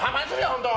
本当。